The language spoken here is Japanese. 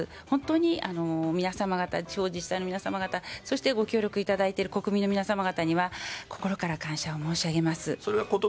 本当に地方自治体の皆様方そしてご協力いただいている国民の皆様方には心から感謝を申し上げます。